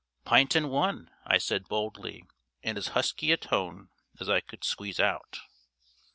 "Pint and one," I said boldly, in as husky a tone as I could squeeze out.